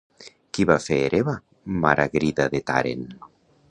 Qui va fer hereva Maragrida de Tàrent?